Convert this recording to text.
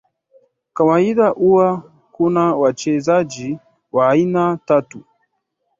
kawaida huwa Kuna wachezaji wa aina tatu